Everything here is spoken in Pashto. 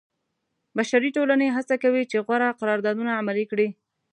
بشري ټولنې هڅه کوي چې غوره قراردادونه عملي کړي.